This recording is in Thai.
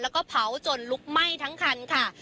แล้วก็เผาจนลุกไหม้ทั้งคันค่ะ